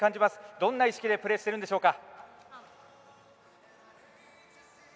どんな意識でプレーしているんでしょうか？